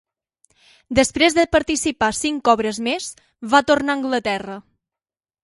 Després de participar cinc obres més, va tornar a Anglaterra.